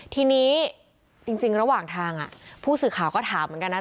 ทีนี้จริงระหว่างทางผู้สื่อข่าวก็ถามเหมือนกันนะ